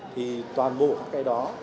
thì toàn bộ các cái đó